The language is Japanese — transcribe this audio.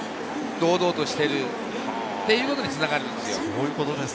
堂々としているということに繋がるんですよ。